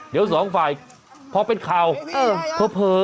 เดี๋ยวสองฝ่ายพอเป็นข่าวเผลอ